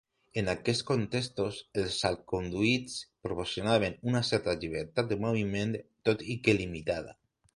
En aquests contextos, els salconduits proporcionaven una certa llibertat de moviment, tot i que limitada.